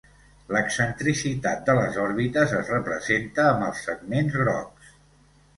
L'excentricitat de les òrbites es representa amb els segments grocs.